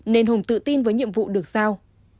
nên hùng tự tin với nhiệm vụ được sao